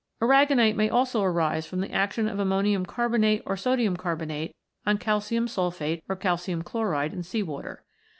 Aragonite may also arise from the action of ammonium carbonate or sodium carbonate on calcium sulphate or calcium chloride in sea water.